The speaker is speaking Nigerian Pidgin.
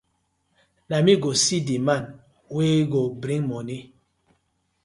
Na me go see di man wey go bring moni.